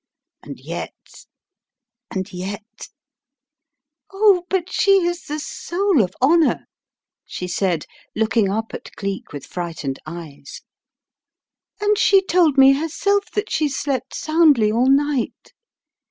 And yet, and yet "Oh, but she is the soul of honour!" she said, look ing up at Cleek with frightened eyes, "and she told me herself that she slept soundly all night.